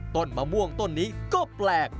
ต้นมะม่วงต้นนี้ก็แปลก